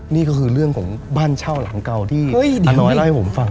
นี่ก็คือเรื่องของบ้านเช่าหลังเก่าที่ตาน้อยเล่าให้ผมฟัง